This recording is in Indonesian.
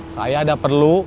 saya ada perlu